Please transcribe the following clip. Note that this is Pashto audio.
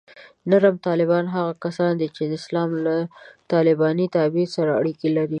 نرم طالبان هغه کسان دي چې د اسلام له طالباني تعبیر سره اړیکې لري